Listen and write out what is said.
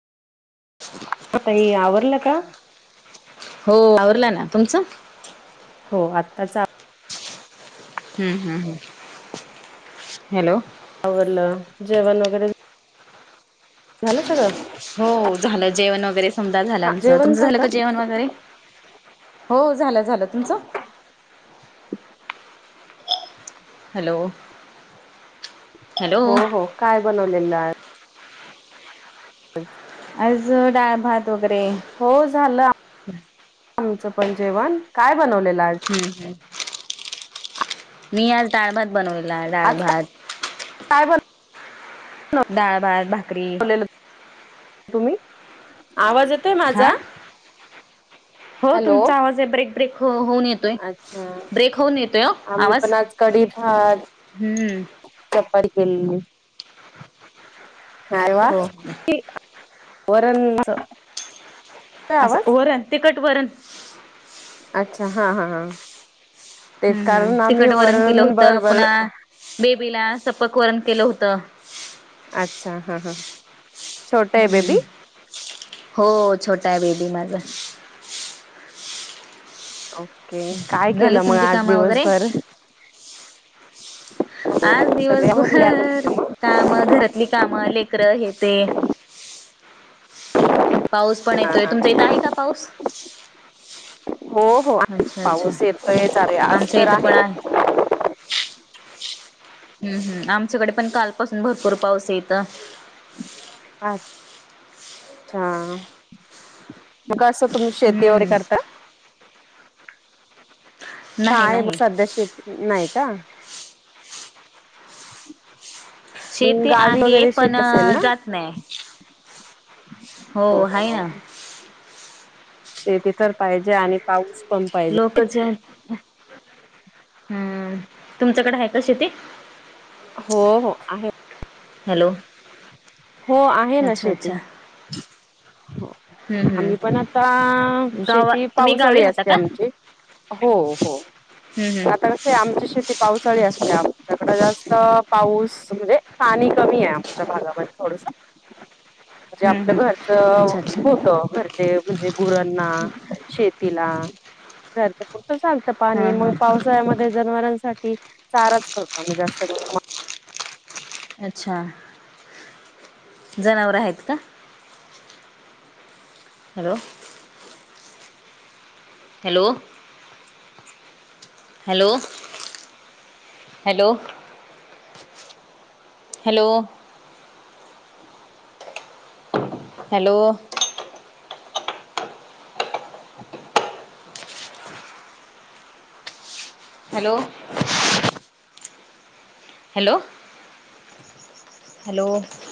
[unintelligible] म ताई आवरलं का? हो, वावरला ना तुमचं? हो, आत्ताचा हम्म-हम्-हम् हॅलो आवरलं, जेवण वगैरे झालं सगळ? हो, झालं जेवण वगैरे समद झाल आमच, तुमचं झालं का जेवण वगैरे. हो झालं झालं तुमचं हॅलो हॅलो. हो-हो, काय बनवलेलं आज. ह आज डाळ-भात वगैरे हो, झालं आमचं पण जेवण. काय बनवलेलं आज? हम्, मी आज डाळ-भात बनवला. डाळ-भात. कायेबर दाळ, भात, भाकरी तुम्ही, [inaudible] आवाज येतोय हा माझा? हो, हॅलो. तुमचा आवाज ए ब्रेक-ब्रेक होऊन येतो. अच्छा, आम्ही आवाज पण आज कांड इथ हम्म. [inaudible] चपट केलेली. न्हावा हो वरूणच असं, वरण तिखट वरण. अच्छा, हा-हा-ह तेच हम्म हम्म कारण आम्ही तिखट केलं वरण होतं बरबर पुन्हा बेबीला सपक वरण केलं होतं. अच्छा हां हां. हम्म हो छोटा य बेबी माझा. ओके काय झाली केलं म तुमची आज कामं वगैरे दिवसभर? हो आज हो सगळे आवरले आता दिवसभर तुझे मग? काम घरातली कामं लेकरं हेे ते पाऊस पण हा येतोय हा. तुमच्या इथं आहे का पाऊस? हो हो आहे. अच्छा अच्छा, पाऊस येतोय चाले आज आमच्या तर इथं पण आहे. आ हम्म हम्म आमच्याकडे पण काल पाासून भरपूर पाऊस ए त. अच्छा म कसं तुम्ही शेती वगैरे हम्म करता? नाही काय नाही सध्या शेती नाही का? मग शेती गावी आहे वगैरे पण शेत अ असेल ना? जात नाही. हो हाय न. शेती तर पाहिजे आणि पाऊस पण पाहिजे. लोक ज हम्म तुमच्याकडे आहे का शेती? हो हो आहे. हॅलो. हो आहे ना अच्छा शेती. अच्छा हम्म आम्ही हम्म पण आता, गावा शेती तुम्ही गावी पावसाळी राहता असते का आमची हो हो हम्म आता हम्म कंसय आमची शेती पावसाळी अच्छा असते आ आच्याकड जास्त पाऊस म्हंजे पाणी कमीय आमच्या भागामध्ये थोडस. म्हणजे हम्म आपलं हम्म घरच अच्छा अच्छा होत, घरचे म्हणजे गुरांना शेतीला घरच्या पुुरतंच आलतं पाणी हां हां मग पाऊस [unintelligible] जनावरांसाठी चाराच करतो आम्ही जास्त करून म. अच्छा जनावर आहेत का? Hello. Hello. Hello hello. Hello. Hello. Hello. Hello. Hello.